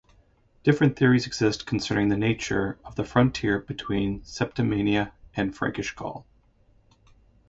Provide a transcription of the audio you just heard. Different theories exist concerning the nature of the frontier between Septimania and Frankish Gaul.